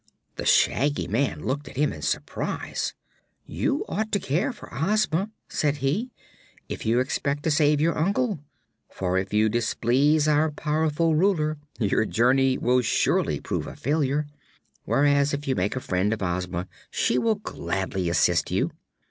The Shaggy Man looked at him in surprise. "You ought to care for Ozma," said he, "if you expect to save your uncle. For, if you displease our powerful Ruler, your journey will surely prove a failure; whereas, if you make a friend of Ozma, she will gladly assist you.